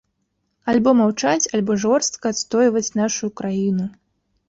Альбо маўчаць, альбо жорстка адстойваць нашу краіну.